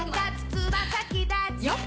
つま先だちよっ！